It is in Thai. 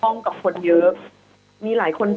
นี่มันแชกนะ